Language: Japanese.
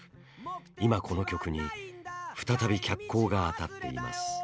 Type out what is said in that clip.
今、この曲に再び脚光があたっています。